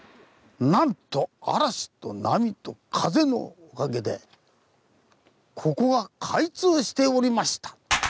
なんと嵐と波と風のおかげでここは開通しておりました。